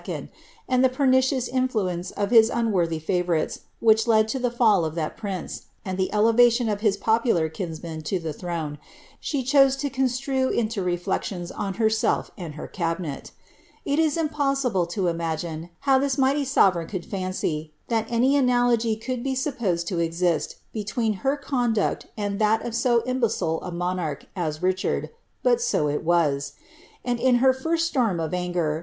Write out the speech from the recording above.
and the per nicious influence of his utiworlhy favourites, which led to the fall of that prince, and the elevation of his popular kinsman to the throne, she rhose to construe into reflections on herself and her cabinet ll is inipos^ihle to imagine, how lliis mighty sovereii;n could fancv, that any analoo*' could be supposed lo exist, between her conduct anil that of so imSfCile a monarch as Richard, but so it was; and. in her lirst storm of angei.